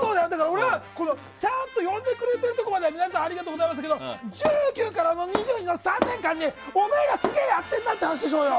俺はちゃんと呼んでくれているところは皆さんありがとうございますだけど１９から２２の３年間にお前はすげえやってんなって話でしょうよ！